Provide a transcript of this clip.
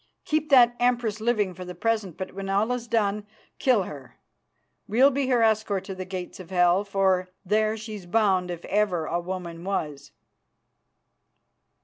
Keep that Empress living for the present, but when all is done, kill her. We'll be her escort to the gates of hell, for there she's bound if ever woman was."